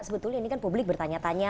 sebetulnya ini kan publik bertanya tanya